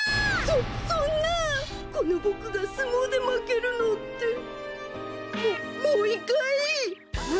そそんなこのボクがすもうでまけるなんて。ももういっかい！